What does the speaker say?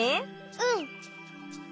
うん。